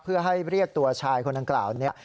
เพื่อให้เรียกตัวชายคนดังกล่าวนี้